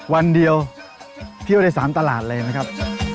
วันเดียวเที่ยวได้๓ตลาดเลยนะครับ